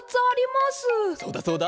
そうだそうだ。